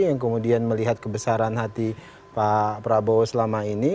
yang kemudian melihat kebesaran hati pak prabowo selama ini